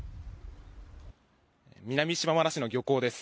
南島原市の漁港です。